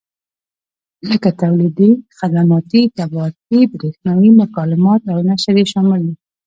لکه تولیدي، خدماتي، طباعتي، برېښنایي مکالمات او نشر یې شامل دي.